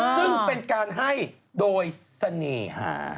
ซึ่งเป็นการให้โดยเสน่หา